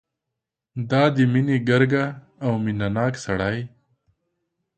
دا د مینې ګرګه او مینه ناک سړی.